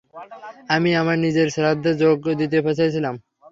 আমি আমার নিজের শ্রাদ্ধে যোগ দিতে চেয়েছিলাম।